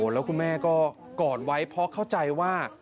แล้วคุณแม่ก็กอดไว้เพราะเข้าใจว่า